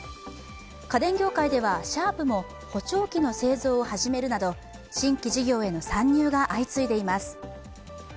家電業界ではシャープも補聴器の製造を始めるなど新規事業への参入が相次いでいます。